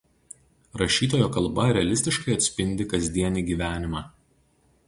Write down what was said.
Rašytojo kalba realistiškai atspindi kasdienį gyvenimą.